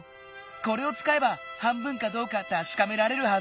これをつかえば半分かどうかたしかめられるはず！